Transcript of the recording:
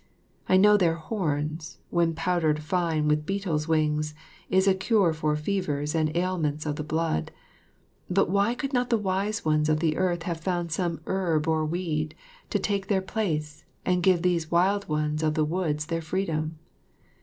I know their horns, when powdered fine with beetles' wings, is the cure for fevers and all ailments of the blood, but why could not the wise ones of the earth have found some herb or weed to take their place and give these wild ones of the woods their freedom?